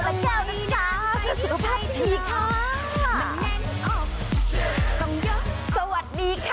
น้องมะละแก้วนะจ๊ะเป็นสุขภาพที่ดีค่ะ